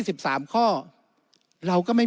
วุฒิสภาจะเขียนไว้ในข้อที่๓๐